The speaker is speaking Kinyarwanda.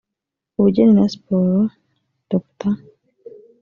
Ubugeni na Siporo Dr